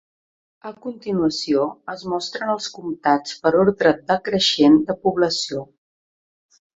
A continuació, es mostren els comtats per ordre decreixent de població.